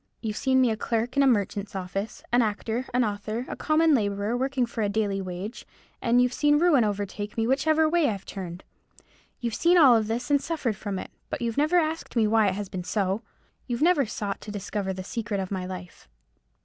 You've seen me a clerk in a merchant's office; an actor; an author; a common labourer, working for a daily wage; and you've seen ruin overtake me whichever way I've turned. You've seen all this, and suffered from it; but you've never asked me why it has been so. You've never sought to discover the secret of my life."